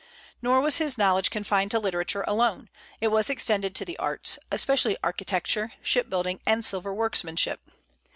Nor was his knowledge confined to literature alone; it was extended to the arts, especially architecture, ship building, and silver workmanship.